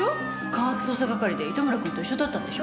科学捜査係で糸村君と一緒だったんでしょ？